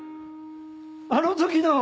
あの時の！